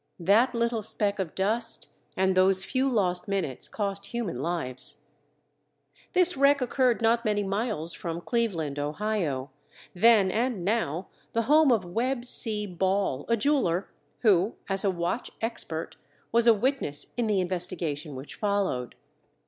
That little speck of dust and those few lost minutes cost human lives. This wreck occurred not many miles from Cleveland, Ohio, then and now the home of Webb C. Ball, a jeweler, who as a watch expert, was a witness in the investigation which followed.